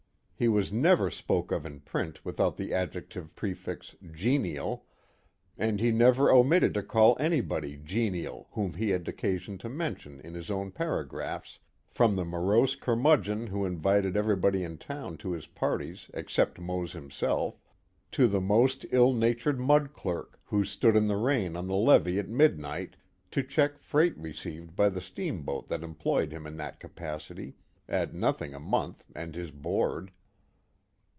He was never spoken of in print without the adjective prefix "genial," and he never omitted to call anybody "genial" whom he had occasion to mention in his own paragraphs, from the morose curmudgeon who invited everybody in town to his parties except Mose himself, to the most ill natured mud clerk who stood in the rain on the levee at midnight to check freight received by the steamboat that employed him in that capacity, at nothing a month and his board.